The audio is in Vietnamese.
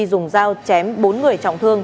dùng dao chém bốn người trọng thương